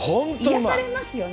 癒されますよね。